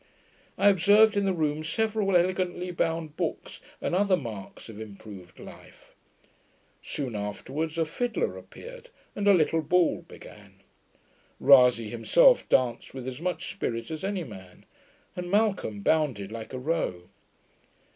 I observed in the room several elegantly bound books and other marks of improved life. Soon afterwards a fiddler appeared, and a little ball began. Rasay himself danced with as much spirit as any man, and Malcolm bounded like a roe.